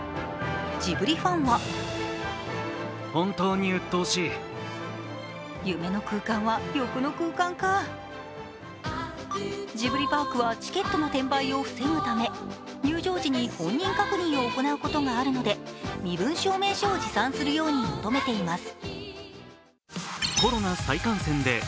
ジブリファンはジブリパークはチケットの転売を防ぐため入場時に本人確認を行うことがあるので身分証明書を持参するように求めています。